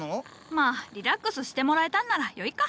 まあリラックスしてもらえたんならよいか。